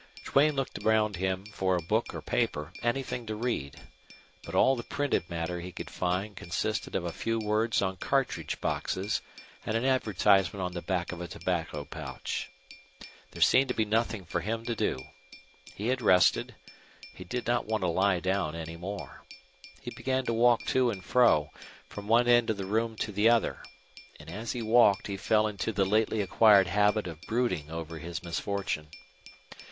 Duane looked around him for a book or paper, anything to read; but all the printed matter he could find consisted of a few words on cartridge boxes and an advertisement on the back of a tobacco pouch. There seemed to be nothing for him to do. He had rested; he did not want to lie down any more. He began to walk to and fro, from one end of the room to the other. And as he walked he fell into the lately acquired habit of brooding over his misfortune.